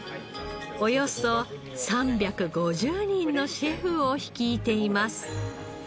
およそ３５０人のシェフを率いています。